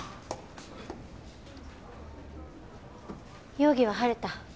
容疑は晴れた？